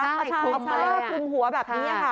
ใช่ใช่ใช่เอาเพราะว่าคลุมหัวแบบนี้ค่ะ